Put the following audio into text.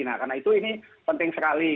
nah karena itu ini penting sekali